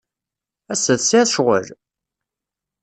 Ass-a, tesɛid ccɣel?